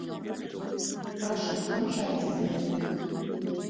Прашу, канчайце з гэтым.